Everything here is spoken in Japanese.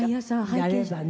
やればね。